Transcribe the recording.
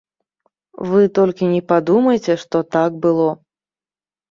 Вы толькі не падумайце, што так было.